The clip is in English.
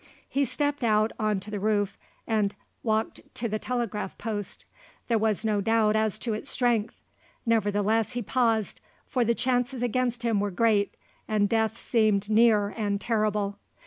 He stepped out on to the roof and walked to the telegraph post. There was no doubt as to its strength; nevertheless he paused, for the chances against him were great, and death seemed near and terrible.